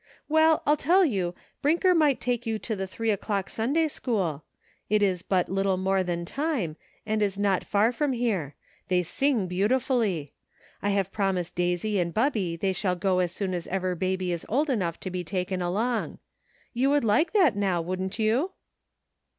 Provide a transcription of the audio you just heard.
Well, I'll tell you, Brinker might take you to the three o'clock Sunday school; it is but little more than time, and that is not far from here ; they sing beau tifully. I have promised Daisy and Bubby they shall go as soon as ever Baby is old enough to be taken along. You would like that now, wouldn't you